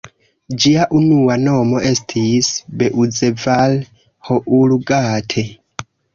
Ĝia unua nomo estis "Beuzeval-Houlgate".